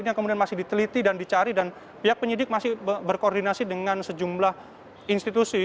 yang kemudian masih diteliti dan dicari dan pihak penyidik masih berkoordinasi dengan sejumlah institusi